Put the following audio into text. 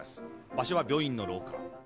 「場所は病院の廊下」